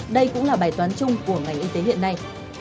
đây cũng là bài toán chung của ngành y tế hiện nay